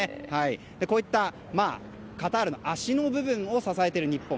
こういったカタールの足の部分を支えている日本。